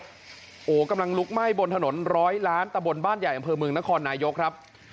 โอ้โหกำลังลุกไหม้บนถนนร้อยล้านตะบนบ้านใหญ่อำเภอเมืองนครนายกครับ